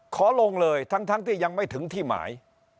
ขอลงเลยทั้งที่ยังไม่ถึงที่หมาย